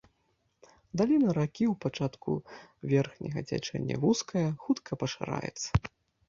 Даліна ракі ў пачатку верхняга цячэння вузкая, хутка пашыраецца.